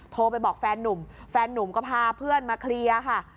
โทรไปบอกแฟนนุ่มแฟนนุ่มก็พาเพื่อนมาเคลียร์ค่ะ